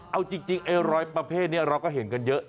เอาจริงไอ้รอยประเภทนี้เราก็เห็นกันเยอะ